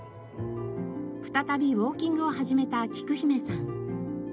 再びウォーキングを始めたきく姫さん。